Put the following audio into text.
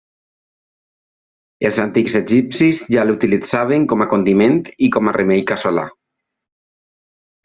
Els antics egipcis ja la utilitzaven com a condiment i com a remei casolà.